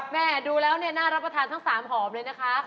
แม่ดูแล้วเนี่ยน่ารับประทานทั้ง๓หอมเลยนะคะ